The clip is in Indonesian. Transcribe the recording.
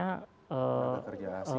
tenaga kerja asing